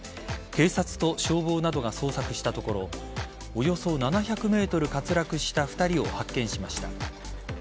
警察と消防などが捜索したところおよそ７００ｍ滑落した２人を発見しました。